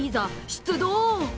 出動。